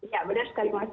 ya benar sekali mas